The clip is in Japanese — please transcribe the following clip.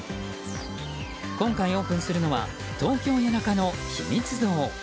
今回オープンするのは東京・谷中のひみつ堂。